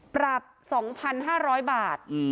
ปรับ๒๕๐๐บาท